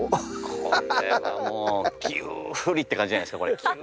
これはもうキュウーリって感じじゃないすかこれ。